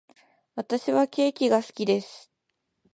私はケーキが好きです。